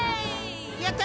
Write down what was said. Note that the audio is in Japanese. やった！